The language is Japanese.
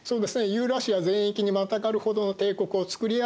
ユーラシア全域にまたがるほどの帝国をつくり上げた。